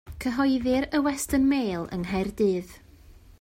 Cyhoeddir y Western Mail yng Nghaerdydd.